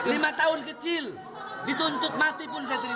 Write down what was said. lima tahun kecil dituntut mati pun saya terima